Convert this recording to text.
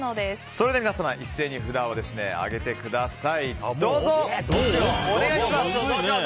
それでは皆様一斉に札を上げてください。